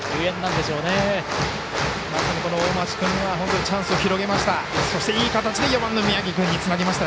まさに大町君はチャンスを広げました。